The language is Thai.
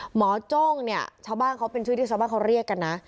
โจ้งเนี่ยชาวบ้านเขาเป็นชื่อที่ชาวบ้านเขาเรียกกันนะ